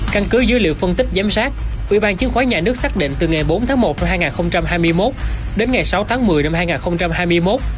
căn cứ dữ liệu phân tích giám sát ubnd xác định từ ngày bốn tháng một năm hai nghìn hai mươi một đến ngày sáu tháng một mươi năm hai nghìn hai mươi một